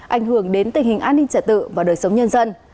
ảnh hưởng đến tình hình an ninh trả tự và đời sống nhân dân